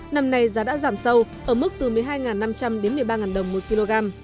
năm nay giá đã giảm sâu ở mức từ một mươi hai năm trăm linh đến một mươi ba đồng một kg